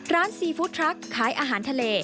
ซีฟู้ดทรัคขายอาหารทะเล